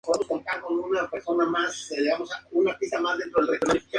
La batalla de Filipos se menciona sólo de pasada y no por su nombre.